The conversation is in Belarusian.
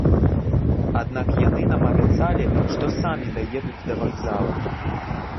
Аднак яны нам абяцалі, што самі даедуць да вакзала.